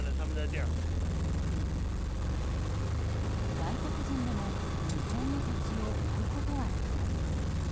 外国人でも日本の土地を買うことはできます。